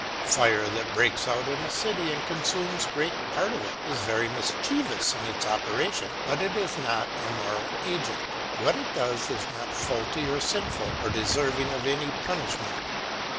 Fire that breaks out in a city, and consumes great part of it, is very mischievous in its operation ; but is not a moral agent ; what it does is not faulty or sinful, or deserving of any punishment.